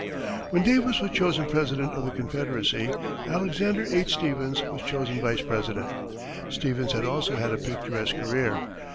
When Davis was chosen President of the Confederacy, Alexander H. Stephens was chosen Vice President. Stephens had also had a picturesque career.